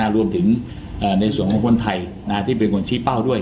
รวมถึงในส่วนของคนไทยที่เป็นคนชี้เป้าด้วย